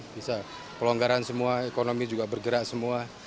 bisa pelonggaran semua ekonomi juga bergerak semua